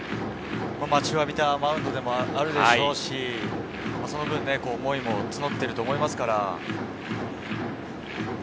待ちわびたマウンドでもあるでしょうし、その分思いも募っていると思いますから。